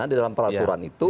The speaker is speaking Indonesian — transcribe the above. dalam peraturan itu